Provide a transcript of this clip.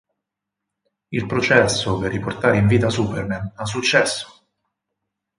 Il processo per riportare in vita Superman ha successo.